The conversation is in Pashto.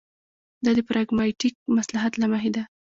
دا د پراګماټیک مصلحت له مخې ده.